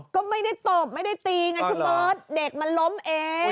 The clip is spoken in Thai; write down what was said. ก็ไม่ได้ตบไม่ได้ตีไงคุณเบิร์ตเด็กมันล้มเอง